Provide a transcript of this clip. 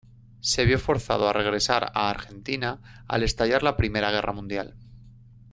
Se vio forzado a regresar a Argentina al estallar la Primera Guerra Mundial.